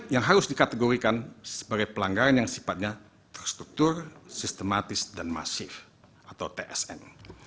yang harus dikategorikan sebagai pelanggaran yang sifatnya terstruktur sistematis dan masif atau tsn